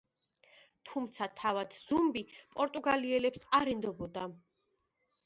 თუმცა თავად ზუმბი პორტუგალიელებს არ ენდობოდა.